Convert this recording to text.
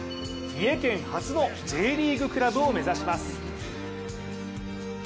三重県初のＪリーグクラブを目指します。